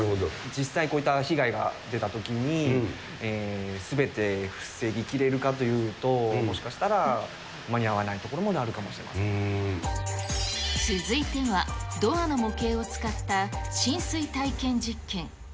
実際こういった被害が出たときに、すべて防ぎきれるかというと、もしかしたら間に合わない所も出続いては、ドアの模型を使った浸水体験実験。